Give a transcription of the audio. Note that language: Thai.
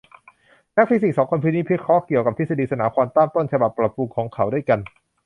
นักฟิสิกส์สองคนพินิจพิเคราะห์เกี่ยวกับทฤษฎีสนามควอนตัมฉบับปรับปรุงของเขาด้วยกัน